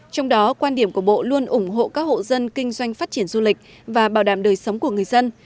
trong đó quan điểm của bộ luôn ủng hộ các hộ dân kinh doanh phát triển du lịch và bảo đảm đời sống của người dân